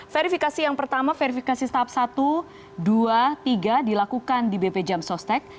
verifikasi yang pertama verifikasi tahap satu dua tiga dilakukan di bp jam sostek